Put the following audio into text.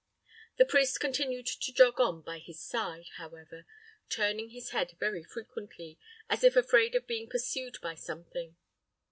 The priest continued to jog on by his side, however, turning his head very frequently, as if afraid of being pursued by something.